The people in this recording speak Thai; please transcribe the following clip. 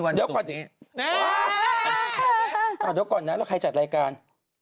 ข่าวเดี๋ยวก่อนนะครับว่าใครจัดรายการ